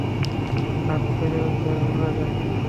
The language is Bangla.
হাট ফোলিওরে যারা মারা যায়।